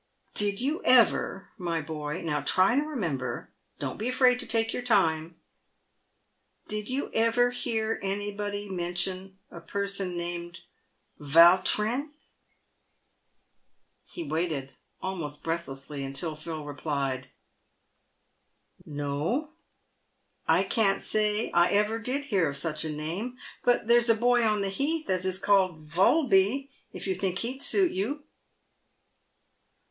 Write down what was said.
" Did you ever, my boy — now try and remember — don't be afraid to take your time — did you ever hear anybody mention a person named Vautrin ?" He waited almost breathlessly, until Phil replied, PAVED WITH GOLD. 17$ " No, I can't say I ever did hear of such a name ; but there's a boy on the heath as is called Volby, if you think he'd suit you."